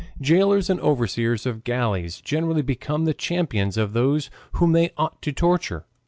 Jailers and overseers of galleys generally become the champions of those whom they ought to torture.